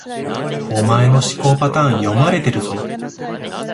お前の思考パターン、読まれてるぞ